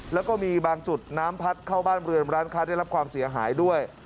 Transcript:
แล้วก็มีบางจุดน้ำพัดเข้าบ้านเรือนร้านค้าได้รับความเสียหายด้วย